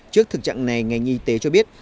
trước thực trạng này ngành y tế cho biết